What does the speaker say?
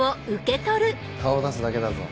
顔出すだけだぞ。